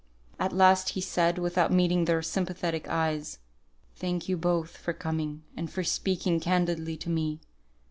At last he said, without meeting their sympathetic eyes, "Thank you both for coming, and for speaking candidly to me.